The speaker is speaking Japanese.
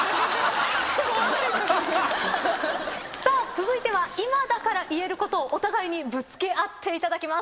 続いては今だから言えることをお互いにぶつけ合っていただきます。